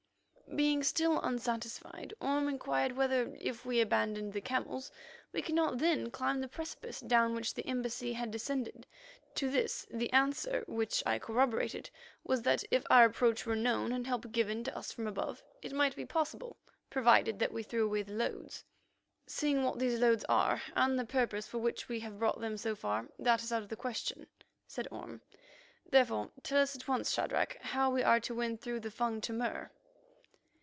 Being still unsatisfied, Orme inquired whether, if we abandoned the camels, we could not then climb the precipice down which the embassy had descended. To this the answer, which I corroborated, was that if our approach were known and help given to us from above, it might be possible, provided that we threw away the loads. "Seeing what these loads are, and the purpose for which we have brought them so far, that is out of the question," said Orme. "Therefore, tell us at once, Shadrach, how we are to win through the Fung to Mur."